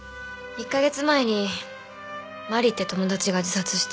１カ月前に麻里って友達が自殺して。